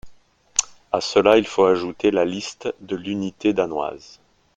À cela, il faut ajouter la Liste de l'unité danoise.